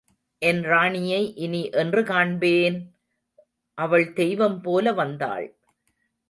என் ராணியை இனி என்று காண்பேன்?... அவள் தெய்வம் போல வந்தாள்.